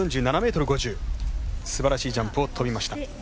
すばらしいジャンプを飛びました。